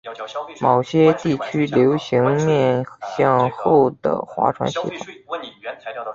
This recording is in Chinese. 某些地区流行面向后的划船系统。